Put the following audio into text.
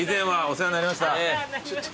お世話になりました。